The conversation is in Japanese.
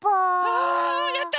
あやった！